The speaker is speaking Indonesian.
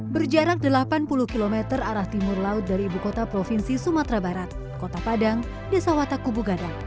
berjarak delapan puluh km arah timur laut dari ibu kota provinsi sumatera barat kota padang desa watak kubu gadang